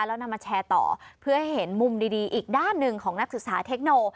แล้วนำมาแชร์ต่อเพื่อให้เห็นมุมดีอีกด้านหนึ่งของนักศึกษาเทคโน